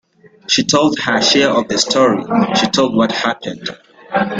She told her share of the story — she told what happened.